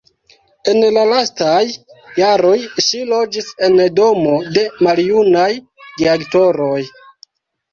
En la lastaj jaroj ŝi loĝis en domo de maljunaj geaktoroj.